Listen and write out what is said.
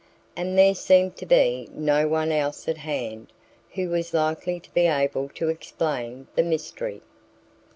And there seemed to be no one else at hand who was likely to be able to explain the mystery.